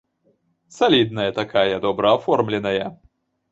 Салідная такая, добра аформленая.